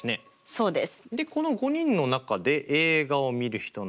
そうです！